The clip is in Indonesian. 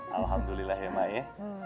alhamdulillah ya emak ya